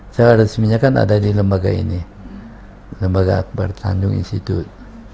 saya resminya kan ada di lembaga ini lembaga akbar tanjung institut